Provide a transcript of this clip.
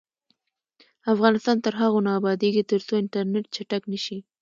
افغانستان تر هغو نه ابادیږي، ترڅو انټرنیټ چټک نشي.